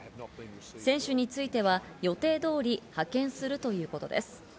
選手については予定通り派遣するということです。